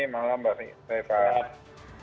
selamat malam pak fahmi